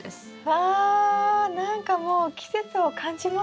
わ何かもう季節を感じますね。